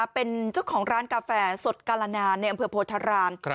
เป็นเจ้าของร้านกาแฟสดกาลนานในอำเภอโพธาราม